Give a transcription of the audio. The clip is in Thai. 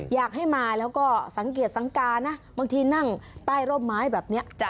อยากให้มาแล้วก็สังเกตสังกานะบางทีนั่งใต้ร่มไม้แบบนี้